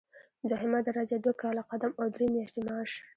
دوهمه درجه دوه کاله قدم او درې میاشتې معاش.